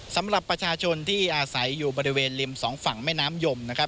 สำหรับประชาชนที่อาศัยอยู่บริเวณริมสองฝั่งแม่น้ำยมนะครับ